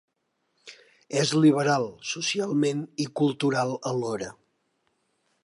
És liberal socialment i cultural alhora.